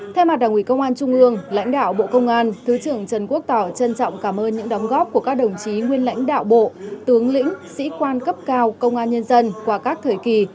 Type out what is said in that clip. theo mặt đảng ủy công an trung ương lãnh đạo bộ công an thứ trưởng trần quốc tỏ trân trọng cảm ơn những đóng góp của các đồng chí nguyên lãnh đạo bộ tướng lĩnh sĩ quan cấp cao công an nhân dân qua các thời kỳ